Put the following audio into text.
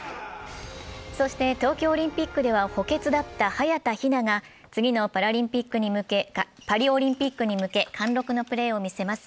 そして、東京オリンピックでは補欠だった早田ひなが次のパリオリンピックに向け貫禄のプレーを見せます。